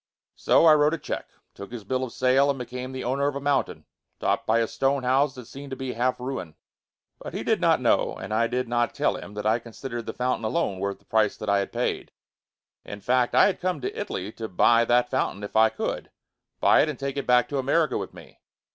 So, I wrote a check, took his bill of sale and became the owner of a mountain, topped by a stone house that seemed to be half ruin. But he did not know, and I did not tell him that I considered the fountain alone worth the price that I had paid. In fact, I had come to Italy to buy that fountain if I could; buy it and take it back to America with me.